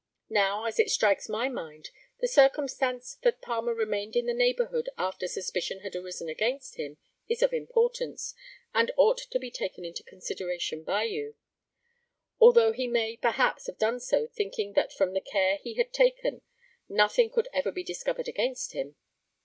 Now, as it strikes my mind, the circumstance that Palmer remained in the neighbourhood after suspicion had risen against him is of importance, and ought to be taken into consideration by you, although he may, perhaps, have done so thinking that from the care he had taken nothing could ever be discovered against him.